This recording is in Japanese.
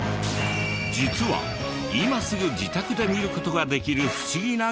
実は今すぐ自宅で見る事ができる不思議な現象。